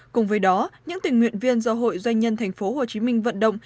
cùng với đó những tình nguyện viên do hội doanh nhân tp hcm vận động